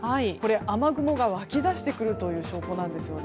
雨雲が湧きだしてくるという証拠なんです。